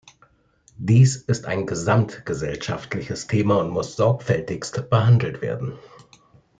Dies ist ein gesamtgesellschaftliches Thema und muss sorgfältigst behandelt werden.